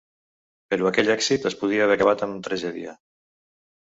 Però aquell èxit es podria haver acabat en tragèdia.